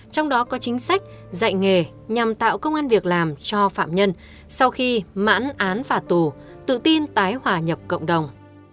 trong đó có chính sách dạy nghề nhằm tạo công an việc làm cho phạm nhân sau khi mãn án phạt tù tự tin tái hòa nhập cộng đồng